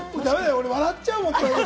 俺、笑っちゃうもん。